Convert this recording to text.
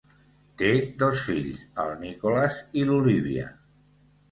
Té dos fills, el Nicholas i l'Olivia.